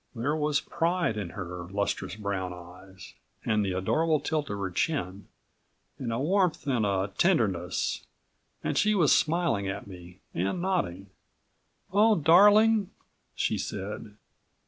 There was pride in her lustrous brown eyes and the adorable tilt of her chin, and a warmth and a tenderness, and she was smiling at me and nodding. "Oh, darling," she said.